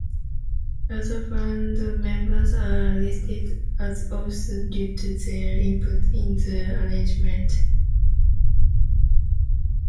Other band members are listed as authors, due to their input in the arrangement.